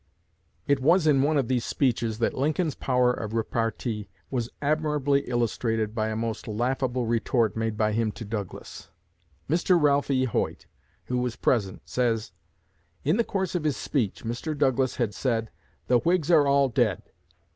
It was in one of these speeches that Lincoln's power of repartee was admirably illustrated by a most laughable retort made by him to Douglas. Mr. Ralph E. Hoyt, who was present, says: "In the course of his speech, Mr. Douglas had said, 'The Whigs are all dead.'